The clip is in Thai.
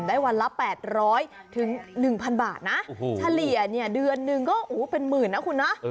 ได้วันละ๘๐๐๑๐๐๐บาทนะธลียะเนี่ยเดือนนึงเป็นหมื่นนะคุณน่ะ